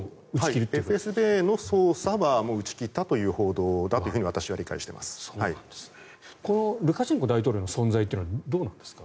ＦＳＢの捜査は打ち切ったとこのルカシェンコ大統領の存在というのはどうなんですか？